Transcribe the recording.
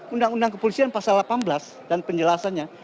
undang undang kepolisian pasal delapan belas dan penjelasannya